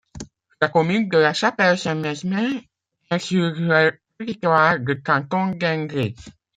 La commune de La Chapelle-Saint-Mesmin est sur le territoire du canton d'Ingré.